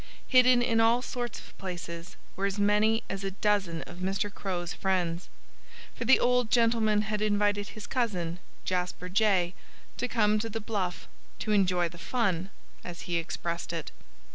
Hidden in all sorts of places were as many as a dozen of Mr. Crow's friends. For the old gentleman had invited his cousin, Jasper Jay, to come to the bluff "to enjoy the fun," as he expressed it.